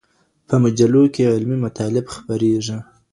په مجلو کي علمي مطالب خپریږي.